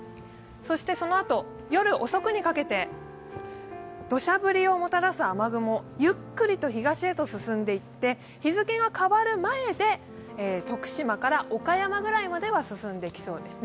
そのあと、夜遅くにかけて土砂降りをもたらす雨雲、ゆっくりと東へと進んでいって、日付が変わる前で徳島から岡山ぐらいまでは進んできそうですね。